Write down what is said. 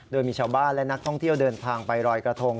โดยมีชาวบ้านและนักท่องเที่ยวเดินทางไปรอยกระทง